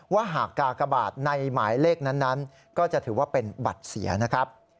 หากกากบาทในหมายเลขนั้นก็จะถือว่าเป็นบัตรเสียนะครับ